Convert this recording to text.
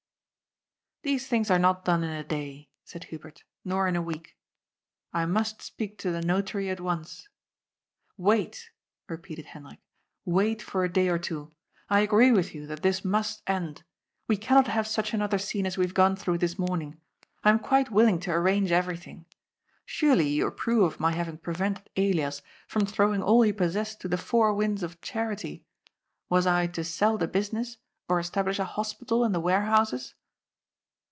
" These things are not done in a day," said Hubert, " nor in a week. I must speak to the Notary at once." " Wait," repeated Hendrik, " wait for a day or two. I BROTHERS IN UNITY. 347 agree with you that this must end. We cannot have such another scene as we haye gone through this morning. I am quite willing to arrange everything. Surely you approve of my having prevented Elias from throwing all he possessed to the four winds of charity. Was I to sell the business, or establish a hospital in the warehouses